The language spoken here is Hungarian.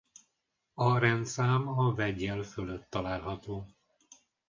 A rendszám a vegyjel fölött található.